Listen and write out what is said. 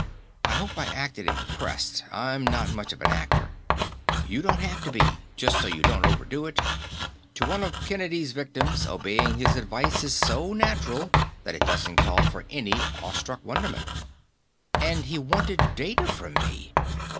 I hope I acted impressed; I'm not much of an actor." "You don't have to be. Just so you didn't overdo it. To one of Kennedy's victims, obeying his advice is so natural that it doesn't call for any awe struck wonderment." "And he wanted data from me!